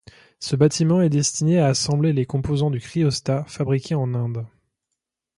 Ce bâtiment est destiné à assembler les composants du cryostat, fabriqués en Inde.